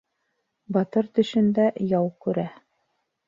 Батыр төшөндә яу күрә